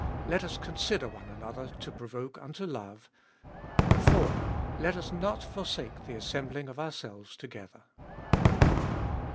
Let us consider one another to provoke unto love. 4. Let us not forsake the assembling of ourselves together.